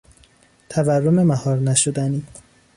تورم مهار نشدنی